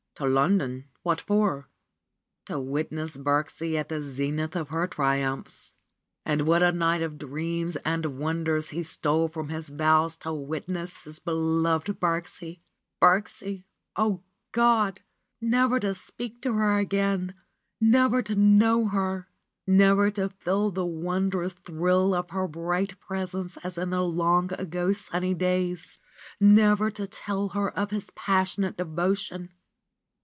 To London, what for? To witness Birksie at the zenith of her triumphs. And what a night of dreams and wonders he stole from his vows to witness his beloved Birksie ! RENUNCIATION OF FRA SIMONETTA 113 Birksie ! Oh, God ! Never to speak to her again ! Never to know her ! Never to feel the wondrous thrill of her bright presence as in the long ago sunny days ! Never to tell her of his passionate devotion